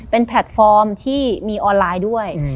เป็นแพลตฟอร์มที่มีออนไลน์ด้วย